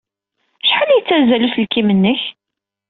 Acḥal yettazzal uselkim-nnek?